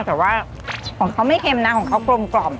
แต่ว่าของเค้าของเค้ามั้ยเท็มนะของเค้ากลมมันกลิ่นได้